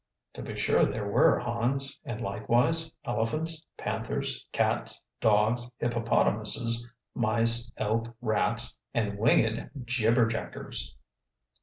"To be sure there were, Hans. And likewise elephants, panthers, cats, dogs, hippopotamuses, mice, elk, rats, and winged jibberjackers."